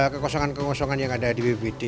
kekosongan kengosongan yang ada di bpbd